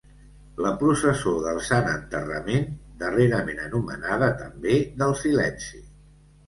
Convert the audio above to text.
La processó del Sant Enterrament, darrerament anomenada també del Silenci.